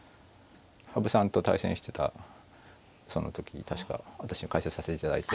羽生さんと対戦してたその時確か私が解説させていただいて。